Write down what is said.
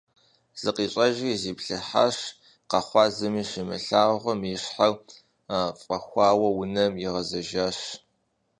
ЗыкъищӀэжри зиплъыхьащ, къэхъуар зыми щимылъагъум, и щхьэр фӀэхуауэ унэм игъэзжащ.